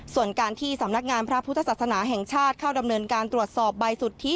ส่วนการที่สำนักงานพระพุทธศาสนาแห่งชาติเข้าดำเนินการตรวจสอบใบสุทธิ